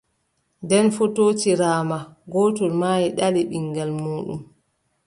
Nden fotootiraama, gooto maayi, ɗali ɓiŋngel muuɗum.